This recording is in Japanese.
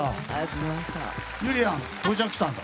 ゆりやん、到着したんだ。